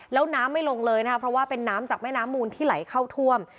แล้วน้ำไม่ลงเลยนะครับเพราะว่าเป็นน้ำจากแม่น้ำมูลที่ไหลเข้าท่วม